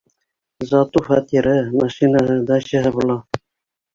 Зато фатиры, машинаһы, дачаһы була.